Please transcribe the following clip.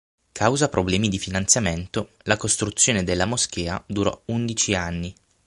Causa problemi di finanziamento, la costruzione della moschea durò undici anni.